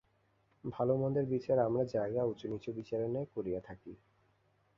ভাল-মন্দের বিচার আমরা জায়গা উঁচু-নীচু-বিচারের ন্যায় করিয়া থাকি।